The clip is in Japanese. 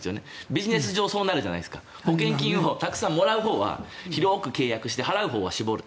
ビジネス上そうなるじゃないですか保険金をたくさんもらうほうは広く契約して払うほうは絞る。